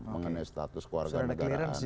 mengenai status keluarga negaraan